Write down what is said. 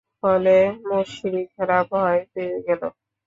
ফলে মুশরিকরা ভয় পেয়ে গেল।